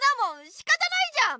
しかたないじゃん！